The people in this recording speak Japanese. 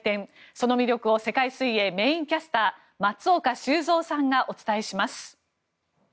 その魅力を世界水泳メインキャスター松岡修造さんがお伝えします。